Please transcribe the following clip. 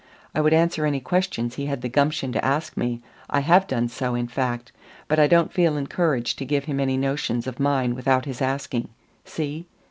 I would answer any questions he had the gumption to ask me I have done so, in fact but I don't feel encouraged to give him any notions of mine without his asking. See?"